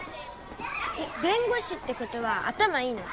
えっ弁護士ってことは頭いいの？